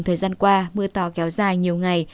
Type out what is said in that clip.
thời gian qua mưa to kéo dài nhiều ngày